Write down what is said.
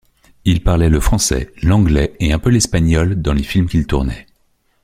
Il parlait le français, l'anglais et un peu l'espagnol dans les films qu'il tournait.